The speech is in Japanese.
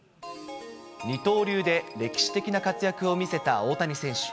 二刀流で歴史的な活躍を見せた大谷選手。